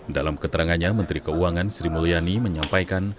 dalam keterangannya menteri keuangan sri mulyani menyampaikan